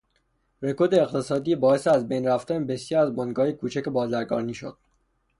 رکود اقتصادی باعث ازبین رفتن بسیاری از بنگاههای کوچک بازرگانی شد.